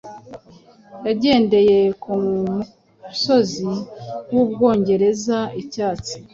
Yagendeye kumusozi wUbwongereza icyatsi?